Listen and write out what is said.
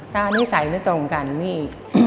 ก็นิสัยไม่ตรงกันนี่